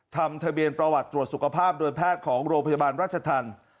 ทำทะเบียนประวัติตรวจสุขภาพโดยแพทย์ของโรงพยาบาลราชธรรม